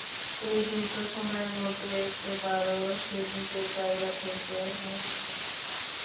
এই দীর্ঘ সময়ের মধ্যে একবারও সে নিজের জায়গা থেকে নড়ে নি।